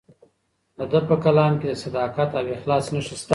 د ده په کلام کې د صداقت او اخلاص نښې شته.